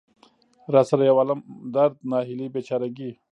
را سره يو عالم درد، ناهيلۍ ،بېچاره ګۍ.